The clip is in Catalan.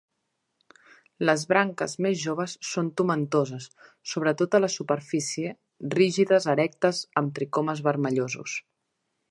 Les branques més joves són tomentoses, sobre tota la superfície, rígides, erectes, amb tricomes vermellosos.